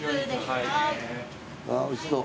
あーおいしそう。